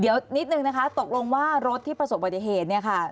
เดี๋ยวนิดนึงนะคะตกลงว่ารถที่ประสบบัติเหตุ